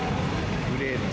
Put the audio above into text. グレーの。